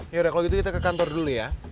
yaudah kalau gitu kita ke kantor dulu ya